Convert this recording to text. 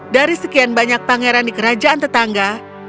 dari sekian banyak pangeran di kerajaan tetangga